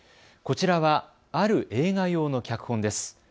こちらはある映画用の脚本です。